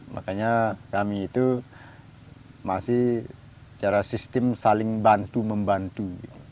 makanya kami itu masih secara sistem saling bantu membantu